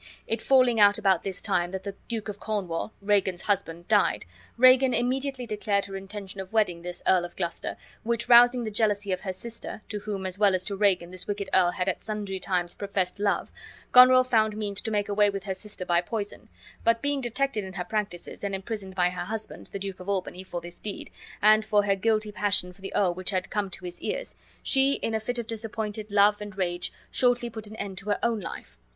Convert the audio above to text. It falling out about this time that the Duke of Cornwall, Regan's husband, died, Regan immediately declared her intention of wedding this Earl of Gloucester, which rousing the jealousy of her sister, to whom as well as to Regan this wicked earl had at sundry times professed love, Goneril found means to make away with her sister by poison; but being detected in her practices, and imprisoned by her husband, the Duke of Albany, for this deed, and for her guilty passion for the earl which had come to his ears, she, in a fit of disappointed love and rage, shortly put an end to her own life.